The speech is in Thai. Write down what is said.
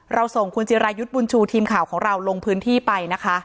ส่งคุณจิรายุทธ์บุญชูทีมข่าวของเราลงพื้นที่ไปนะคะ